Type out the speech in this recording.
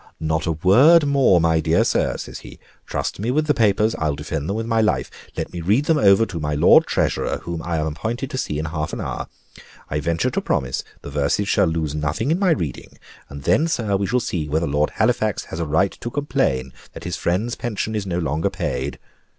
"Not a word more, my dear sir," says he. "Trust me with the papers I'll defend them with my life. Let me read them over to my Lord Treasurer, whom I am appointed to see in half an hour. I venture to promise, the verses shall lose nothing by my reading, and then, sir, we shall see whether Lord Halifax has a right to complain that his friend's pension is no longer paid."